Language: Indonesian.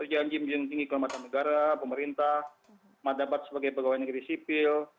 injil tinggi kelembatan negara pemerintah matabat sebagai pegawai negeri sipil